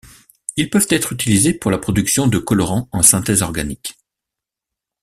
Ils peuvent être utilisés pour la production de colorants en synthèse organique.